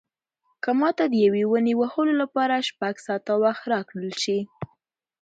که ماته د یوې ونې وهلو لپاره شپږ ساعته وخت راکړل شي.